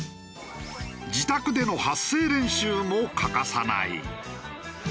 自宅での発声練習も欠かさない。